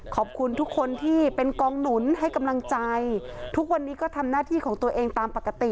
ขอบคุณทุกคนที่เป็นกองหนุนให้กำลังใจทุกวันนี้ก็ทำหน้าที่ของตัวเองตามปกติ